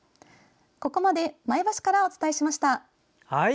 ここまで前橋からお伝えしました。